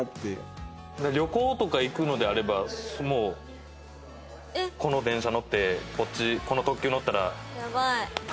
旅行とか行くのであればもう「この電車乗ってこっちこの特急乗ったら楽しめるで」とか。